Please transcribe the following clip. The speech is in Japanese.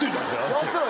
合ってない。